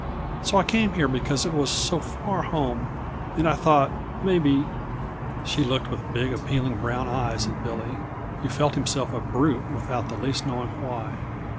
So I came here, because it was so far home and I thought maybe " She looked with big, appealing brown eyes at Billy, who felt himself a brute without in the least knowing why.